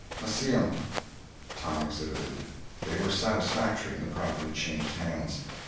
"Less see 'em." Tom exhibited. They were satisfactory, and the property changed hands.